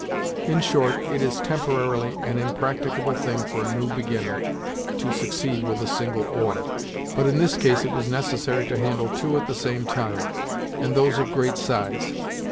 In short it is, temporarily, an impracticable thing for a new beginner to succeed with a single oar, but in this case it was necessary to handle two at the same time, and those of great size.